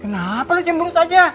kenapa lo cemburu saja